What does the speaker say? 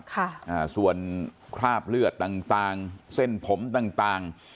ค่ะอ่าส่วนคราบเลือดต่างต่างเส้นผมต่างต่าง